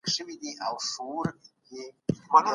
افغان کډوال د وینا بشپړه ازادي نه لري.